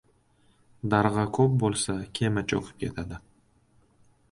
• Darg‘a ko‘p bo‘lsa, kema cho‘kib ketadi.